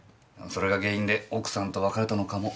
それが原因で奥さんと別れたのかも。